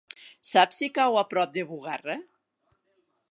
Saps si cau a prop de Bugarra?